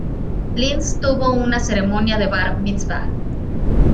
Linz tuvo una ceremonia de Bar Mitzvah.